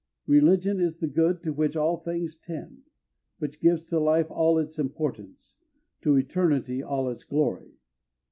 Religion is the good to which all things tend; which gives to life all its importance, to eternity all its glory.